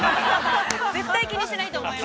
◆絶対気にしないと思います。